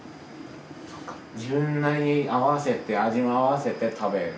そっか自分なりに合わせて味を合わせて食べる。